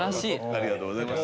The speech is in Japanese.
ありがとうございます。